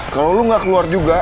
kalau lo gak keluar juga